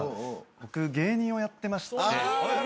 僕芸人をやってまして。